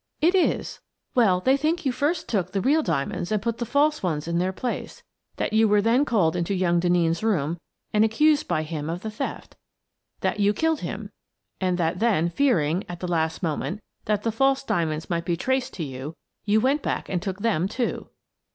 " It is. Well, they think that you first took the real diamonds and put the false ones in their place; that you were then called into young Denneen's room and accused by him of the theft; that you killed him, and that then, fearing, at the last mo ment, that the false diamonds might be traced to you, you went back and took them, too."